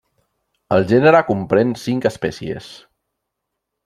El gènere comprèn cinc espècies.